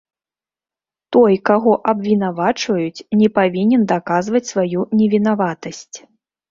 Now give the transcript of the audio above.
Той, каго абвінавачваюць, не павінен даказваць сваю невінаватасць.